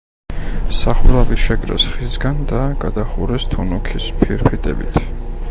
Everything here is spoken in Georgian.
სახურავი შეკრეს ხისგან და გადახურეს თუნუქის ფირფიტებით.